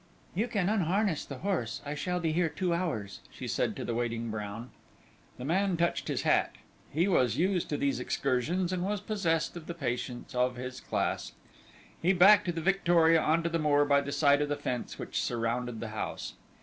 "You can unharness the horse; I shall be here two hours," she said to the waiting Brown. The man touched his hat. He was used to these excursions and was possessed of the patience of his class. He backed the victoria on to the moor by the side of the fence which surrounded the house.